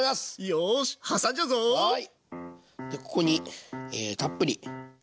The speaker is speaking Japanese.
よしここにたっぷり。